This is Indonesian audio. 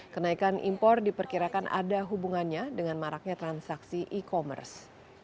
kenaikan impor diperkirakan ada hubungannya dengan maraknya transaksi e commerce